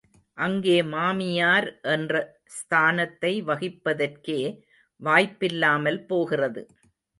அங்கே மாமியார் என்ற ஸ்தானத்தை வகிப்பதற்கே வாய்ப்பில்லாமல் போகிறது.